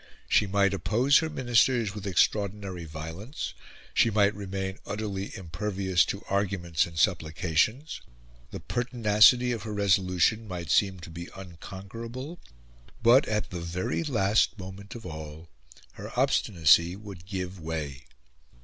She might oppose her Ministers with extraordinary violence, she might remain utterly impervious to arguments and supplications; the pertinacity of her resolution might seem to be unconquerable; but, at the very last moment of all, her obstinacy would give way.